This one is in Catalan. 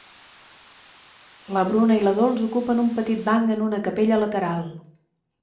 La Bruna i la Dols ocupen un petit banc en una capella lateral.